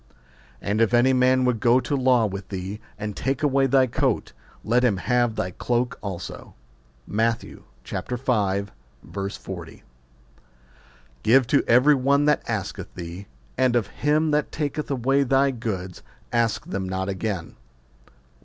And if any man would go to law with thee, and take away thy coat, let him have thy cloke also. Matt. v. 40. Give to every one that asketh thee ; and of him that taketh away thy goods ask them not again.